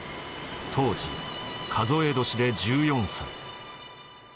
当時数え年で１４歳。